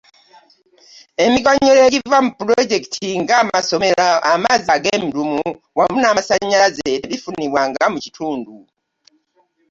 Emiganyulo egiva mu Pulojekiti nga amasomero, amazzi ag’emidumu wamu n’amasannyalaze tebifunibwanga mu kitundu.